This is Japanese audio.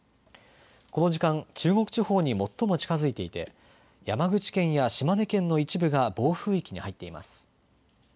この時間、中国地方に最も近づいていて山口県や島根県の一部が暴風域に入ってます。